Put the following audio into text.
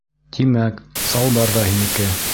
Тимәк, салбар ҙа һинеке!